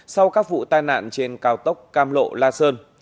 sau các vụ tai nạn trên cao tốc cam lộ la sơn